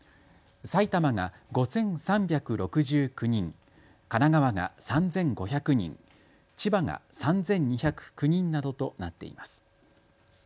埼玉が５３６９人、神奈川が３５００人、千葉が３２０９人などとなっています。